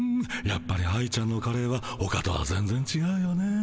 やっぱり愛ちゃんのカレーはほかとは全ぜんちがうよね。